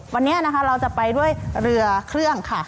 วันนี้นะคะเราจะไปด้วยเรือเครื่องค่ะ